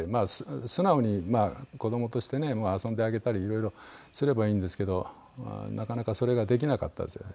素直にまあ子どもとしてね遊んであげたりいろいろすればいいんですけどなかなかそれができなかったんですよね。